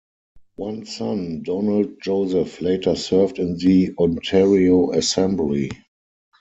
One son Donald Joseph later served in the Ontario assembly.